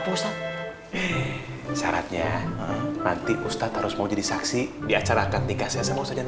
maksudnya nanti ustadz harus mau jadi saksi di acarakan tiga c sama saja